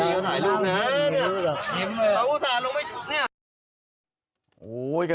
เอาละเดี๋ยวพี่